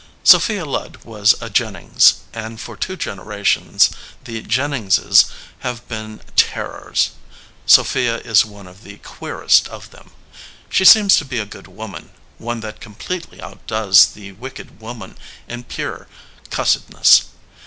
Sophia Ludd was a Jennings, and for two gener ations the Jenningses have been terrors. Sophia is one of the queerest of them. She seems to be a good \voman, one that completely outdoes the wicked women in pure cussedness.